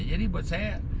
jadi buat saya